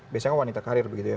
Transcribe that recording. biasanya wanita karir begitu ya